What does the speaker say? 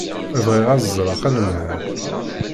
Bɣiɣ ad ẓreɣ anemhal.